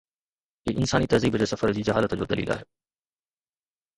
هي انساني تهذيب جي سفر جي جهالت جو دليل آهي.